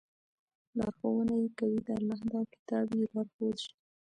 لارښوونه ئې كوي، د الله دا كتاب ئې لارښود شي